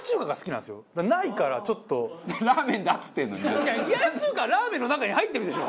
いや冷やし中華はラーメンの中に入ってるでしょ？